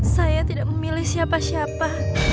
saya tidak memilih siapa siapa